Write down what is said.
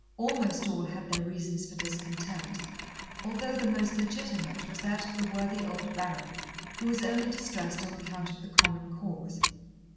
Almost all had their reasons for discontent, although the most legitimate was that of the worthy old Baron, who was only distressed on account of the common cause.